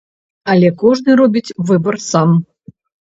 Але кожны робіць выбар сам.